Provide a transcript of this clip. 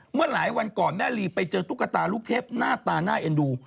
เมื่อหลายวันก่อนแม่ลีไปเจอตุ๊กตาลูกเทพหน้าตาน่าเอ็นดู